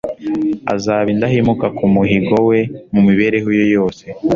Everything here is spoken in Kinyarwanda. azaba indahemuka ku muhigo we mu mibereho ye yose.